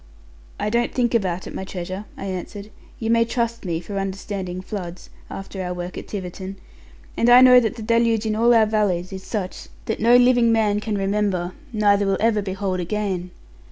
'I don't think about it, my treasure,' I answered; 'you may trust me for understanding floods, after our work at Tiverton. And I know that the deluge in all our valleys is such that no living man can remember, neither will ever behold again.